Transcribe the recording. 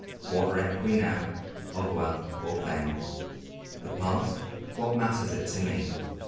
What reck we now of wealth or fame? The past what matters it to me?